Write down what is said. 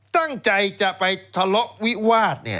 ตั้งใจจะไปทะเลาวิวาส